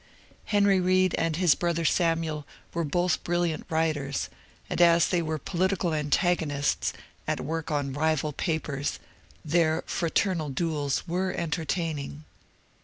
Henry Reed and his brother Samuel were both brilliant writers, and as they were political antagonists, at work on rival papers, their fraternal duels were entertaining.